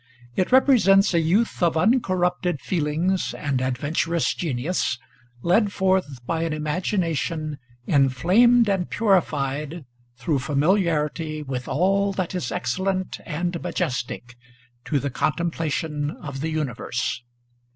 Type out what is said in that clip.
It re presents a youth of uncorrupted feelings and adventurous genius led forth by an imagination inflamed and purified through familiarity with all that is excellent and majestic to the con templation of the universe.